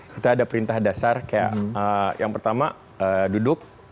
kita ada perintah dasar kayak yang pertama duduk